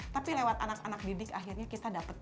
tapi lewat anak anak didik akhirnya kita dapat